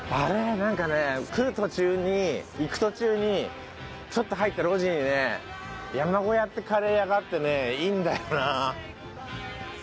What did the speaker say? なんかね来る途中に行く途中にちょっと入った路地にね山小屋っていうカレー屋があってねいいんだよな。